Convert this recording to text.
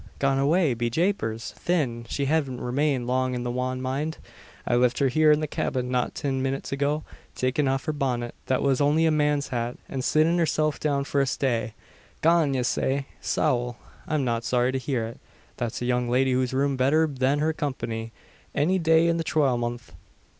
"Gone away! Be japers, thin, she hasn't remained long in the wan mind. I lift her heeur in the cyabin not tin minnits ago, takin' aff her bonnit that was only a man's hat an sittlin' hersilf down for a stay. Gone, yez say? Sowl! I'm not sorry to hear it. That's a young lady whose room's betther than her company, any day in the twilmonth.